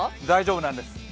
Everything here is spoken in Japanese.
大丈夫なんです。